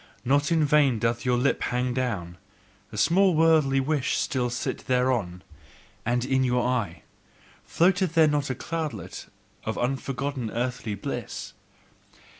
Not in vain doth your lip hang down: a small worldly wish still sitteth thereon! And in your eye floateth there not a cloudlet of unforgotten earthly bliss?